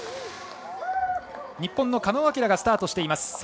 日本の狩野亮がスタートしています。